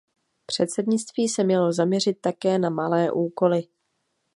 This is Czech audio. Předsednictví se mělo zaměřit také na malé úkoly.